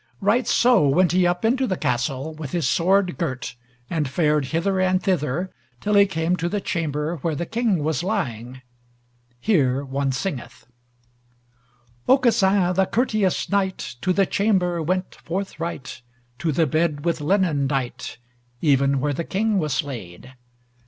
Right so went he up into the castle, with his sword girt, and fared hither and thither till he came to the chamber where the King was lying. Here one singeth: Aucassin the courteous knight To the chamber went forthright, To the bed with linen dight Even where the King was laid.